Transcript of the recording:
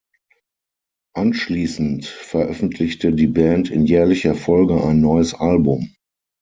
Anschließend veröffentlichte die Band in jährlicher Folge ein neues Album.